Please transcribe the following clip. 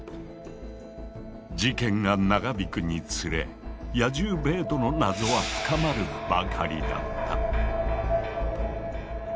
事件が長引くにつれ野獣ベートの謎は深まるばかりだった。